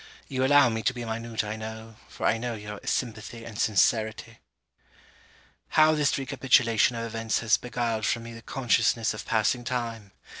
You allow me to be minute I know, for I know your sympathy and sincerity. How this recapitulation of events has beguiled from me the consciousness of passing time!